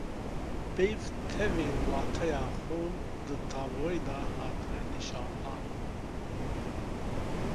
peyv tevî wateya xwe di tabloyê da hatine nîşandan.